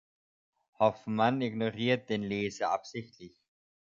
Hoffman ignoriert den Leser absichtlich.